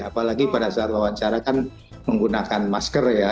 apalagi pada saat wawancara kan menggunakan masker ya